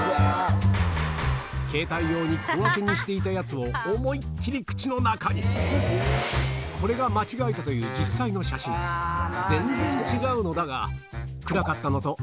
携帯用に小分けにしていたやつを思いっ切り口の中にこれが間違えたという実際の写真全然違うのだがで